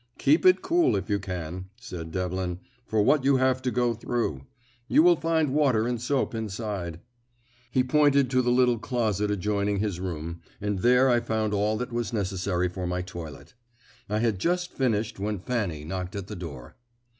"Keep it cool if you can," said Devlin, "for what you have to go through. You will find water and soap inside." He pointed to the little closet adjoining his room, and there I found all that was necessary for my toilet. I had just finished when Fanny knocked at the door.